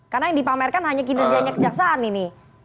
karena yang dipamerkan hanya kinerjanya kejaksaan agung